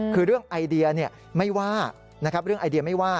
คือเรื่องไอเดียไม่ว่านะครับเรื่องไอเดียไม่ว่า